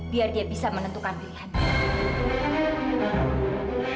biar dia bisa menentukan pilihan